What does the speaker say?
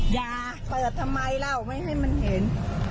อย่าเปิดทำไมเล่าไม่ให้มันเห็น